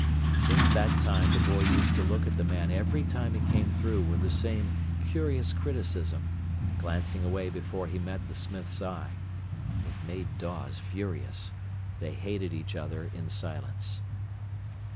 Since that time the boy used to look at the man every time he came through with the same curious criticism, glancing away before he met the smith's eye. It made Dawes furious. They hated each other in silence.